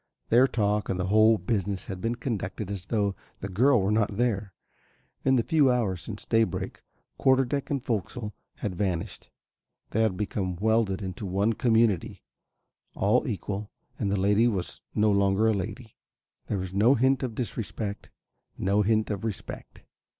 Their talk and the whole business had been conducted as though the girl were not there. In the few hours since daybreak, quarter deck and fo'c'sle had vanished. They had become welded into one community, all equal, and the lady was no longer the lady. There was no hint of disrespect, no hint of respect.